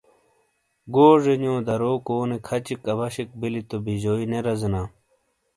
گوجے نیو درو کونے کھَچِک اَباشیک بِیلی تو بِیجوئی نے رزینا۔